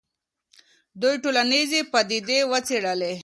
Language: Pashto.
دوی ټولنیزې پدیدې وڅېړلې.